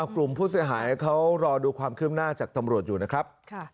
กลุ่มผู้เสียหายเขารอดูความคืบหน้าจากตำรวจอยู่นะครับ